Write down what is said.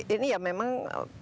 ini ya memang